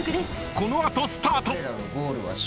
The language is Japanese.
［この後スタート］